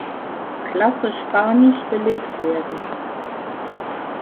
Klasse Spanisch belegt werden.